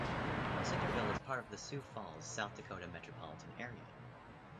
Centerville is part of the Sioux Falls, South Dakota metropolitan area.